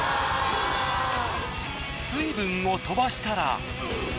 水分を飛ばしたら。